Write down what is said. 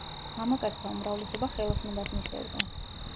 მამაკაცთა უმრავლესობა ხელოსნობას მისდევდა.